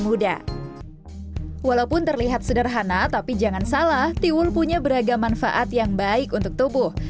muda walaupun terlihat sederhana tapi jangan salah tiwul punya beragam manfaat yang baik untuk tubuh